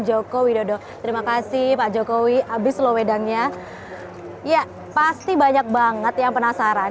jokowi dodo terima kasih pak jokowi abis lu wedangnya ya pasti banyak banget yang penasaran